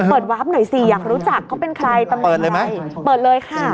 เปิดวาลบ์หน่อยสิอยากรู้จักเขาเป็นใคร๑๓๐๐๐๐๘๓นเปิดเลยเค้า